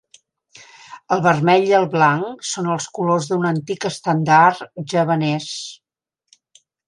El vermell i el blanc són els colors d'un antic estendard javanès.